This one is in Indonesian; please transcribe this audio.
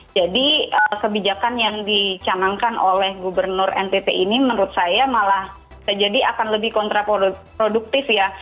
jadi kebijakan yang dicamangkan oleh gubernur ntt ini menurut saya malah jadi akan lebih kontraproduktif ya